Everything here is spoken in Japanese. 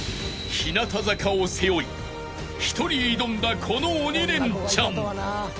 ［日向坂を背負い一人挑んだこの鬼レンチャン］